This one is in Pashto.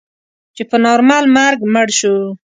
چې په نارمل مرګ مړ شو.